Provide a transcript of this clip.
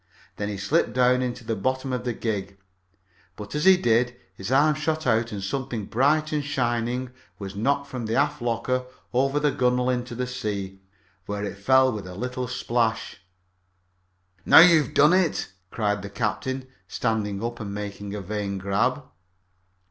Then he slipped down into the bottom of the gig, but as he did so his arm shot out and something bright and shining was knocked from the after locker over the gunwale into the sea, where it fell with a little splash. "Now you have done it!" cried the captain, standing up and making a vain grab.